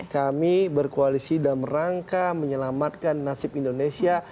kami berkoalisi dalam rangka menyelamatkan nasib indonesia